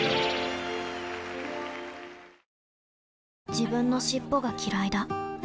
自分の尻尾がきらいだ